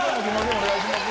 お願いします。